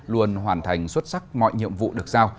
luôn hoàn thành xuất sắc mọi nhiệm vụ được giao